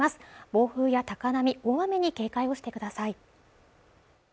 暴風や高波大雨に警戒をしてください